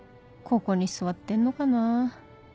ここに座ってんのかなぁ